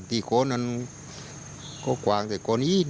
ดีโค้นนั่นก็หวากแต่คนอื่น